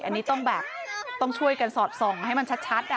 อันนี้ต้องแบบต้องช่วยกันสอดส่องให้มันชัด